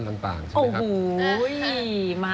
ซึ่งท่านหไปถึกปอ๊ะ